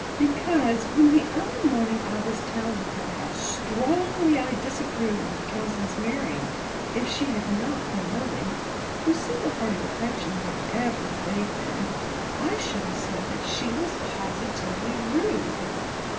Because when the other morning I was telling her how strongly I disapproved of cousins marrying, if she had not been Lily whose single hearted affection I have every faith in I should have said that she was positively rude.